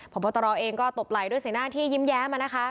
ผอบอตรอเองก็ตบไหลด้วยสีหน้าที่ยิ้มแย้ม่ะนะคะ